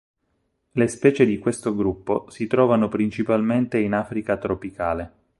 Le specie di questo gruppo si trovano principalmente in Africa tropicale.